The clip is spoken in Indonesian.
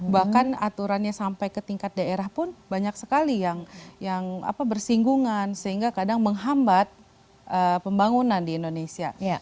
bahkan aturannya sampai ke tingkat daerah pun banyak sekali yang bersinggungan sehingga kadang menghambat pembangunan di indonesia